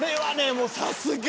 もうさすがに！